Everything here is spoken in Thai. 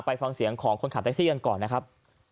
ฟังเสียงของคนขับแท็กซี่กันก่อนนะครับ